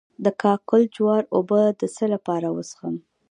د کاکل جوار اوبه د څه لپاره وڅښم؟